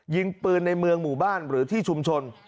ยิงปืนในเมืองหมู่บ้านหรือที่ชุมชน